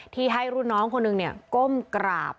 ที่ให้รุ่นน้องคนหนึ่งก้มกราบ